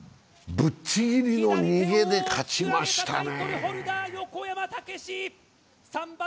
ぶっちぎりの逃げで勝ちましたね。